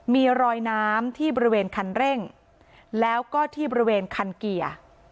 มีรอยน้ำที่บริเวณคันเร่งแล้วก็ที่บริเวณคันเกียร์